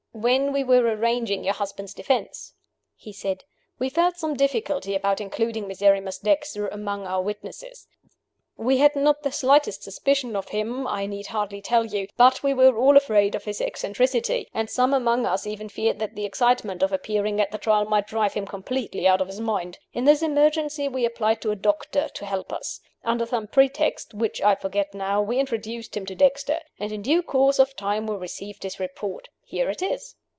"When we were arranging your husband's defense," he said, "we felt some difficulty about including Miserrimus Dexter among our witnesses. We had not the slightest suspicion of him, I need hardly tell you. But we were all afraid of his eccentricity; and some among us even feared that the excitement of appearing at the Trial might drive him completely out of his mind. In this emergency we applied to a doctor to help us. Under some pretext, which I forget now, we introduced him to Dexter. And in due course of time we received his report. Here it is."